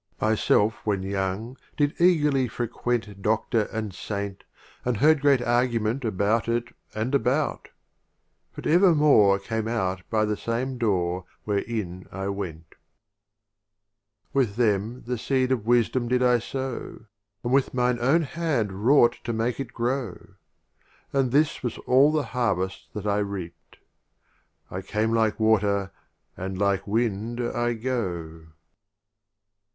ii RU ofOmar M y self when young did eagerly Khayyam frequent Doftor and Saint, and heard great argument About it and about: but ever more Came out by the same door where in I went. XXVIII. With them the seed of Wisdom did I sow, And with mine own hand wrought to make it grow; And this was all the Harvest that I reap'd —" I came like Water, and like Wind I go."